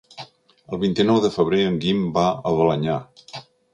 El vint-i-nou de febrer en Guim va a Balenyà.